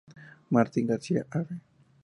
Martín García, Av.